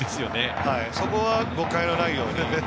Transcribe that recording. そこは、誤解がないように。